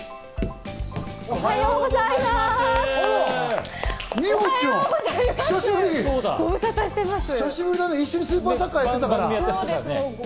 おはようございます。